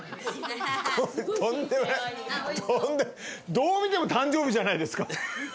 どう見ても誕生日じゃないですか。